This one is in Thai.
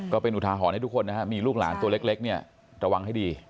ก็เป็นอุทาหอนให้ทุกคนมีลูกหลานตัวเล็กระวังให้ดี